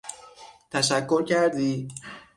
تشکر کردی؟